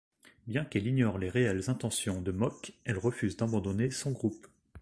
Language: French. Bien qu'elle ignore les réelles intentions de Mok, elle refuse d'abandonner son groupe.